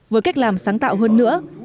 với cách làm sáng tạo hơn nữa